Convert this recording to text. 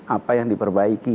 apa yang diperbaiki